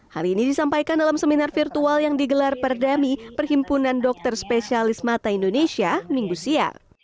hal ini disampaikan dalam seminar virtual yang digelar perdami perhimpunan dokter spesialis mata indonesia minggu siang